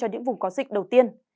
cho những vùng có dịch đầu tiên